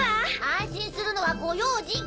安心するのはご用心。